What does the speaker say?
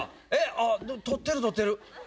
あっ捕ってる捕ってる！